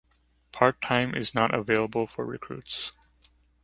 Part-time is not available for recruits.